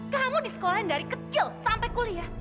kamu disekolahin dari kecil sampai kuliah